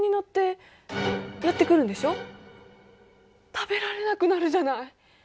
食べられなくなるじゃない！